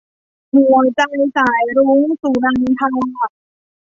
หัวใจสายรุ้ง - สุนันทา